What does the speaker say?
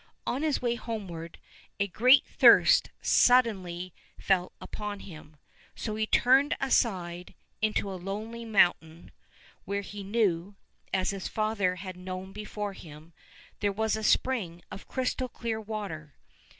On his way homeward, a great thirst suddenly fell upon him, so he turned aside into a lonely mountain where he knew, as his father had known before him, there was a spring of crystal clear water.